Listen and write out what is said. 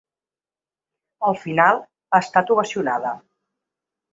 Al final, ha estat ovacionada.